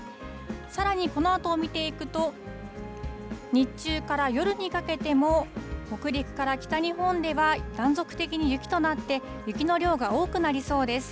さらにこのあとを見ていくと、日中から夜にかけても、北陸から北日本では断続的に雪となって、雪の量が多くなりそうです。